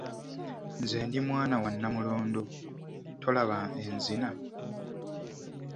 Nze ndi mwana wa Namulondo, tolaba enzina?